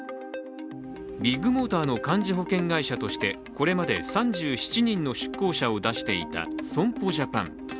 ビッグモーターの幹事保険会社としてこれまで３７人の出向者を出していた損保ジャパン。